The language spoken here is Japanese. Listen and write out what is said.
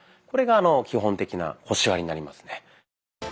これが基本的な腰割りになりますね。